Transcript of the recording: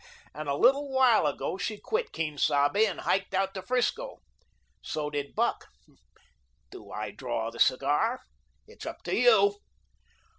And a little while ago she quit Quien Sabe and hiked out to 'Frisco. So did Buck. Do I draw the cigar? It's up to you."